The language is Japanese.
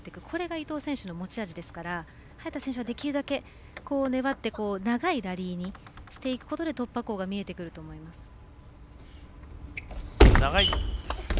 これが伊藤選手の持ち味ですから早田選手はできるだけ粘って長いラリーにしていくことで突破口が見えてくると思います。